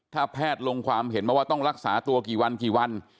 ถ้าแพทย์ลงความเห็นมาว่าต้องรักษาตัวกี่วันกี่วัน